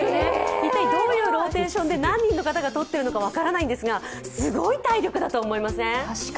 一体どういうローテーションで何人の方がとっているのか分からないんですがすごい体力だと思いません？